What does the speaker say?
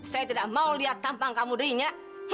saya tidak mau lihat tampang kamu dirinya